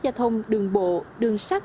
giao thông đường bộ đường sát